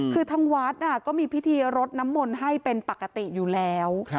คือทางวัดก็มีพิธีรดน้ำมนต์ให้เป็นปกติอยู่แล้ว